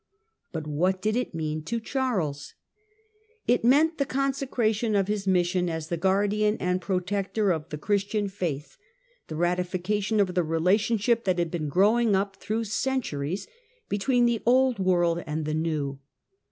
But what did it mean to Charles '? It meant the consecration of his mission as the guardian and pro tector of the Christian faith — the ratification of the relationship that had been growing up through centuries between the old world and the new.